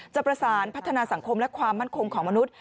จะประสานพัฒนาสังคมและความมั่นคงของมนุษย